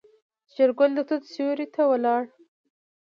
شېرګل د توت سيوري ته ولاړ.